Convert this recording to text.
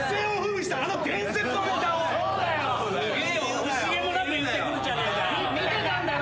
・惜しげもなく言ってくるじゃねえかよ。見てたんだろ？